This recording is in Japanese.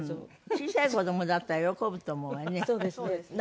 小さい子供だったら喜ぶと思うわね。